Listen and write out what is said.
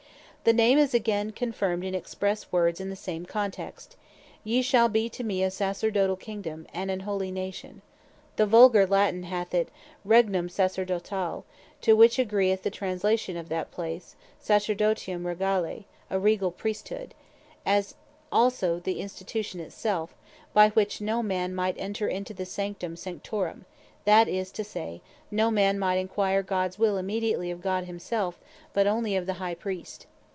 The same is again confirmed in expresse words in the same Text, "Yee shall be to me a Sacerdotall Kingdome, and an holy Nation." The Vulgar Latine hath it, Regnum Sacerdotale, to which agreeth the Translation of that place (1 Pet. 2.9.) Sacerdotium Regale, A Regal Priesthood; as also the Institution it self, by which no man might enter into the Sanctum Sanctorum, that is to say, no man might enquire Gods will immediately of God himselfe, but onely the High Priest.